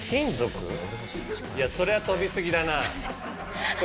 いやそれは飛びすぎだな。